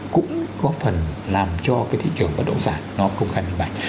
cũng có phần làm cho cái thị trường bất động sản nó công khai minh bạch